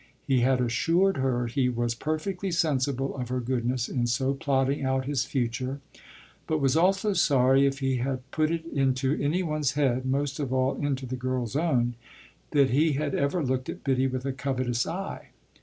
He had assured her he was perfectly sensible of her goodness in so plotting out his future, but was also sorry if he had put it into any one's head most of all into the girl's own that he had ever looked at Biddy with a covetous eye.